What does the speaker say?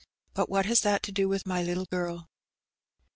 But wbat has that to do with my little girl?"